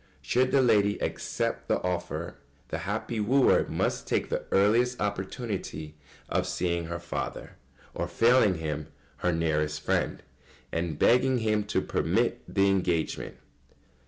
] Should the lady accept the offer, the happy wooer must take the earliest opportunity of seeing her father, or, failing him, her nearest friend, and begging him to permit the engagement.